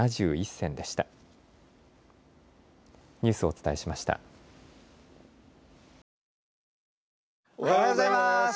おはようございます！